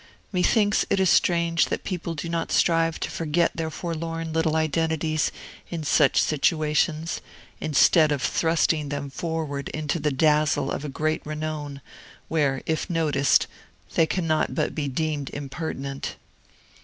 Methinks it is strange that people do not strive to forget their forlorn little identities, in such situations, instead of thrusting them forward into the dazzle of a great renown, where, if noticed, they cannot but be deemed impertinent.